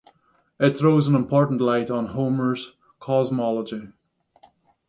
It throws an important light on Homer's cosmology.